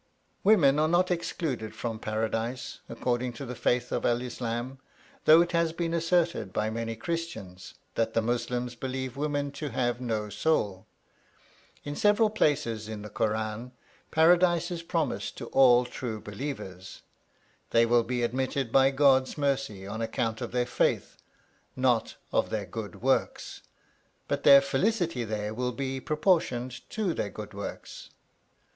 "Women are not to be excluded from paradise, according to the faith of El Islam; though it has been asserted by many Christians, that the Muslims believe women to have no soul. In several places in the Kur ân, Paradise is promised to all true believers." They will be admitted by God's mercy on account of their faith, not of their good works; but their felicity there will be proportioned to their good works.